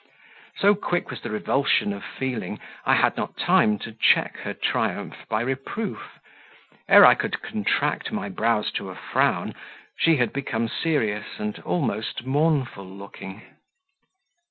So quick was the revulsion of feeling, I had not time to check her triumph by reproof; ere I could contract my brows to a frown she had become serious and almost mournful looking.